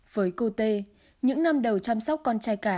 với cô tê những năm đầu chăm sóc con trai cả